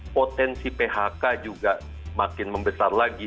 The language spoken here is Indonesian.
potensi phk juga makin membesar lagi